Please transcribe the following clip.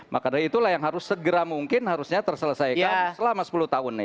maka dari itulah yang harus segera mungkin harusnya terselesaikan selama sepuluh tahun ini